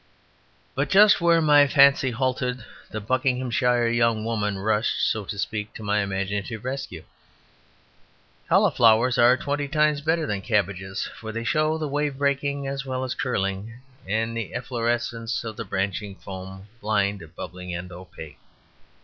But just where my fancy halted the Buckinghamshire young woman rushed (so to speak) to my imaginative rescue. Cauliflowers are twenty times better than cabbages, for they show the wave breaking as well as curling, and the efflorescence of the branching foam, blind bubbling, and opaque.